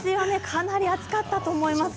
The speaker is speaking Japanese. かなり暑かったと思います